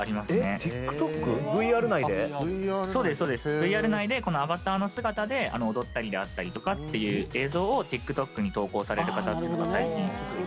ＶＲ内でこのアバターの姿で踊ったりであったりとかっていう映像をＴｉｋＴｏｋに投稿される方とか最近。